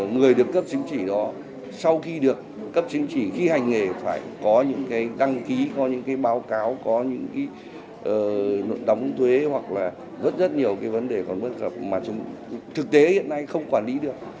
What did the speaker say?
người được cấp chứng chỉ đó sau khi được cấp chứng chỉ khi hành nghề phải có những cái đăng ký có những cái báo cáo có những cái đóng thuế hoặc là rất rất nhiều cái vấn đề còn bất cập mà thực tế hiện nay không quản lý được